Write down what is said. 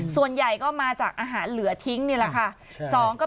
ส่วนใหญ่ก็มาจากอาหารเหลือทิ้งนี่แหละค่ะ